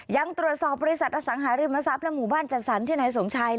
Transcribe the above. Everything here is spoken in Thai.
ยังตรวจสอบบริษัทอสังหาริมทรัพย์และหมู่บ้านจัดสรรที่นายสมชัย